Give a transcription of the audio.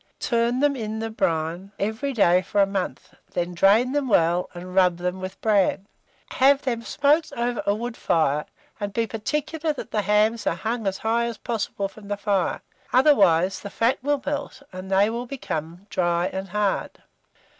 Turn them in the brine every day for a month, then drain them well, and rub them with bran. Have them smoked over a wood fire, and be particular that the hams are hung as high up as possible from the fire; otherwise the fat will melt, and they will become dry and hard.